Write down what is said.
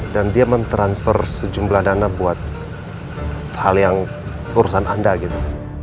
dan dia mentransfer sejumlah dana buat hal yang perusahaan anda gitu